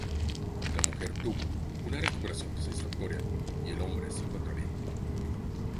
La mujer tuvo una recuperación satisfactoria, y el hombre se encuentra bien.